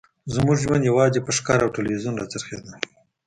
زموږ ژوند یوازې په ښکار او تلویزیون راڅرخیده